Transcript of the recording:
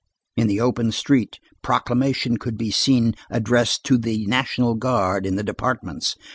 In the open street, proclamation could be seen addressed to the National Guard in the departments.